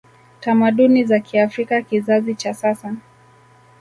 tamaduni za kiafrika Kizazi cha sasa